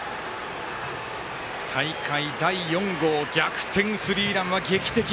大会第４号逆転スリーランは劇的。